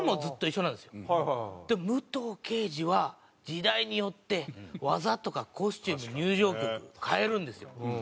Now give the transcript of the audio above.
でも武藤敬司は時代によって技とかコスチューム入場曲変えるんですよ。